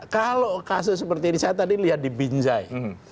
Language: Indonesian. kalau kasus seperti ini saya tadi lihat di binjai